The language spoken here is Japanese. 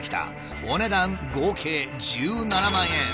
お値段合計１７万円。